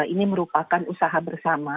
ini merupakan usaha bersama